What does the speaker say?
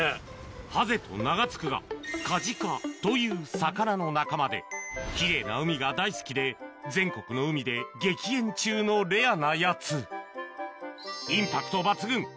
ハゼと名が付くがカジカという魚の仲間で奇麗な海が大好きで全国の海で激減中のレアなやつインパクト抜群！